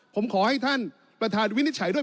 ผมขอให้ท่านประธานวินิจฉัยด้วย